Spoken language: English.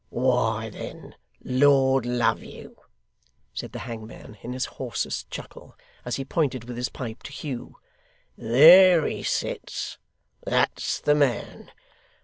'Why then, Lord love you,' said the hangman, in his hoarest chuckle, as he pointed with his pipe to Hugh, 'there he sits. That's the man.